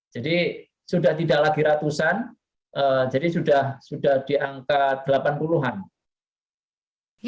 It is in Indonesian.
jadi sudah tidak lagi ratusan jadi sudah di angka delapan puluhan